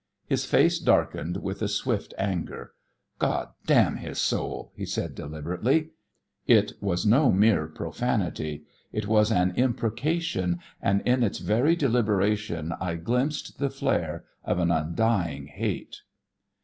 His face darkened with a swift anger. "God damn his soul!" he said, deliberately. It was no mere profanity. It was an imprecation, and in its very deliberation I glimpsed the flare of an undying hate.